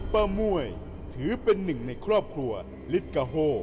ป้าม่วยถือเป็นหนึ่งในครอบครัวฤทธิ์กะโฮ